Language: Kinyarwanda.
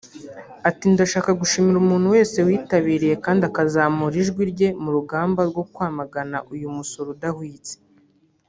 Ati “Ndashaka gushimira umuntu wese witabiriye kandi akazamura ijwi rye mu rugamba rwo kwamagana uyu musoro udahwitse